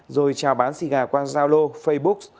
rồi trao bán xì gà qua giao lô facebook